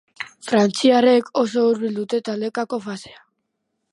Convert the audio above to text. Frantziarrek oso hurbil dute taldekako fasea.